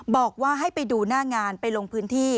บอกว่าให้ไปดูหน้างานไปลงพื้นที่